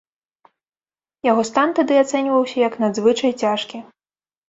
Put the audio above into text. Яго стан тады ацэньваўся як надзвычай цяжкі.